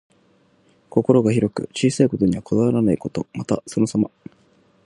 心が広く、小さいことにはこだわらないこと。また、そのさま。